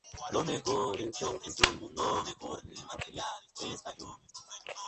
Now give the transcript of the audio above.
Así fue como el nombre de la congregación pasó a todo el sector.